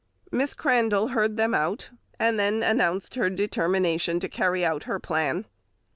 Miss Crandall heard them out, and then announced her determination to carry out her plan.